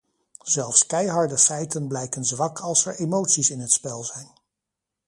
Zelfs keiharde feiten blijken zwak als er emoties in het spel zijn.